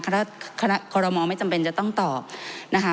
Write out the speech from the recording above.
คณะคอรมอลไม่จำเป็นจะต้องตอบนะคะ